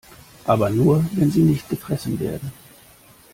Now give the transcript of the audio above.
Aber nur, wenn sie nicht gefressen werden.